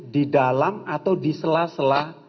di dalam atau di sela sela